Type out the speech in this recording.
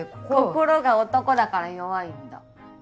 心が男だから弱いんだ。